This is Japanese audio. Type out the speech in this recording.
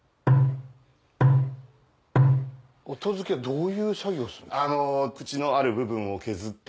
音付けはどういう作業をするんです？